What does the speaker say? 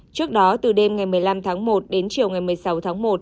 trước đó từ đêm ngày một mươi năm tháng một đến chiều ngày một mươi sáu tháng một